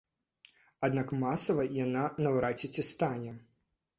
Аднак масавай яна наўрад ці стане.